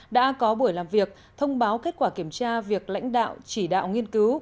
đã có buổi làm việc thông báo kết quả kiểm tra việc lãnh đạo chỉ đạo nghiên cứu